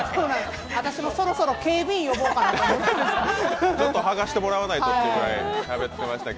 私もそろそろ警備員呼ぼうかなと思ってます。